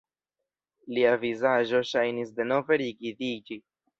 Lia vizaĝo ŝajnis denove rigidiĝi.